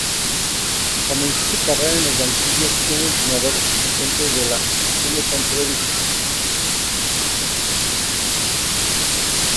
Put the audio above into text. Comenzó su carrera en los banquillos siendo entrenador asistente en la Benetton Treviso.